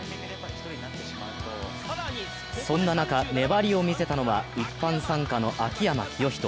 そんな中、粘りを見せたのは一般参加の秋山清仁。